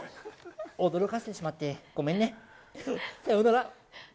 驚かせてしまってごめんね、さようなら。